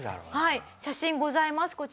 はい写真ございます。